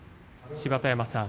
芝田山さん